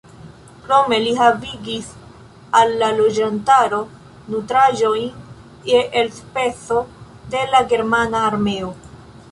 Krome li havigis al la loĝantaro nutraĵojn je elspezo de la germana armeo.